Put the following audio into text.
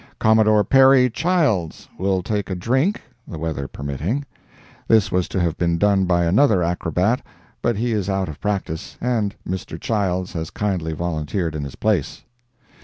COMMODORE PERRY CHILDS will take a drink—the weather permitting. This was to have been done by another acrobat, but he is out of practice, and Mr. Childs has kindly volunteered in his place.